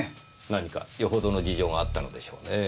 何かよほどの事情があったのでしょうねぇ。